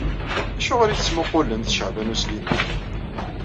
Acuɣeṛ i tettmuqqulemt Caɛban U Sliman?